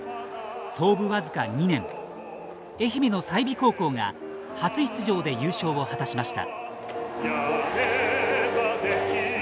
創部僅か２年愛媛の済美高校が初出場で優勝を果たしました。